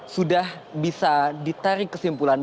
sudah bisa ditarik kesimpulan